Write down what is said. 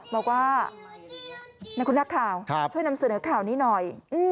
บอกว่านะคุณนักข่าวช่วยนำเสนอข่าวนี้หน่อย